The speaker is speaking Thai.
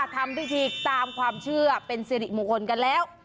ทำพิธีตามความเชื่อเป็นสิริมงคลกันแล้ว